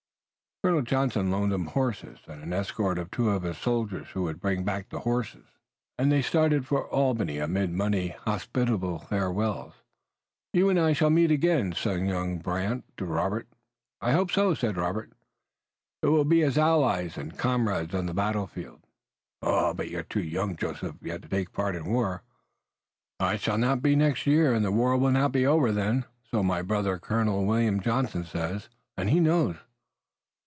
Colonel Johnson loaned them horses, and an escort of two of his own soldiers who would bring back the horses, and they started for Albany amid many hospitable farewells. "You and I shall meet again," said young Brant to Robert. "I hope so," said Robert. "It will be as allies and comrades on the battle field." "But you are too young, Joseph, yet to take part in war." "I shall not be next year, and the war will not be over then, so my brother, Colonel William Johnson says, and he knows."